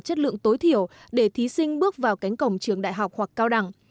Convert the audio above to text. chất lượng tối thiểu để thí sinh bước vào cánh cổng trường đại học hoặc cao đẳng